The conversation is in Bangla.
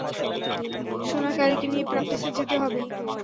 সোনা, ক্যালিকে নিয়ে প্র্যাকটিসে যেতে হবে।